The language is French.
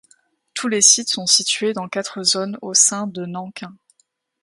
Tous les sites sont situés dans quatre zones au sein de Nankin.